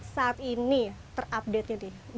saat ini terupdate nya